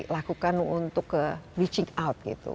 lakukan untuk ke witching out gitu